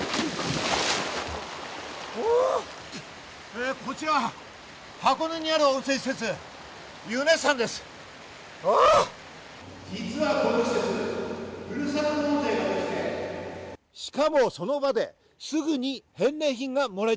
え、こちら箱根にある温泉施設・ユネッサンです。